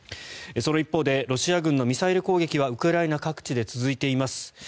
その一方でロシア軍のミサイル攻撃はウクライナ各地で続いています。